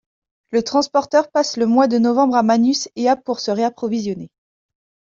Le transporteur passe le mois de novembre à Manus et à pour se réapprovisionner.